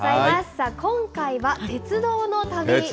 さあ、今回は鉄道の旅です。